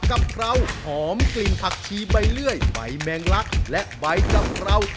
แข็งลักษณ์และไว้จำเรา